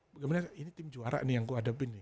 bagaimana ini tim juara nih yang ku hadapin nih